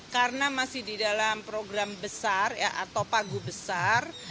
karena masih di dalam program besar atau pagu besar